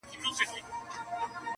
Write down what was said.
• نه پیران یې وه په یاد نه خیراتونه -